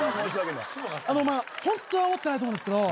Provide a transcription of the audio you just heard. ホントは思ってないと思うんですけど